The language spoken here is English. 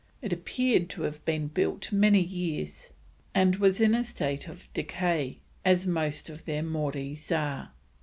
It appeared to have been built many years and was in a state of decay, as most of their Mories are.